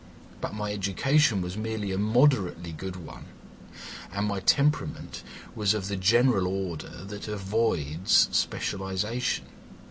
But my education was merely a moderately good one, and my temperament was of the general order that avoids specialisation.